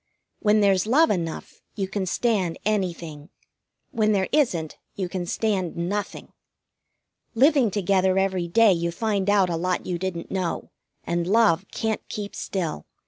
When there's love enough you can stand anything. When there isn't, you can stand nothing. Living together every day you find out a lot you didn't know, and love can't keep still.